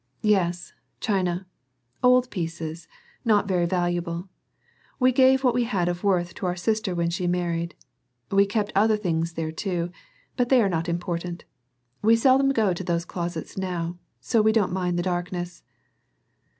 "Yes, china; old pieces, not very valuable. We gave what we had of worth to our sister when she married. We keep other things there, too, but they are not important. We seldom go to those closets now, so we don't mind the darkness."